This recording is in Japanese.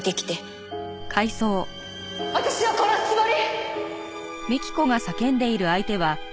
私を殺すつもり！？